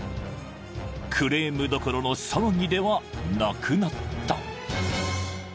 ［クレームどころの騒ぎではなくなった］